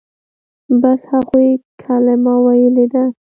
بس هغوى کلمه ويلې ده.